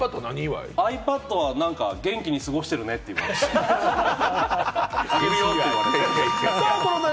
ｉＰａｄは元気で過ごしてるね、あげるよって。